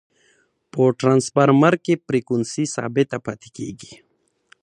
په ټرانسفرمر کی فریکوینسي ثابته پاتي کیږي.